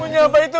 punya apa itu